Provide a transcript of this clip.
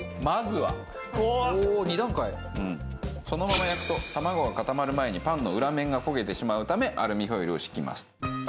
そのまま焼くと卵が固まる前にパンの裏面が焦げてしまうためアルミホイルを敷きます。